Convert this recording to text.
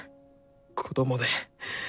子供で！